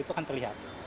itu akan terlihat